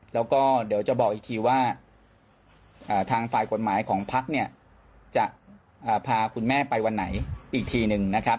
แล้วก็เดี๋ยวจะบอกอีกทีว่าทางฝ่ายกฎหมายของพักเนี่ยจะพาคุณแม่ไปวันไหนอีกทีหนึ่งนะครับ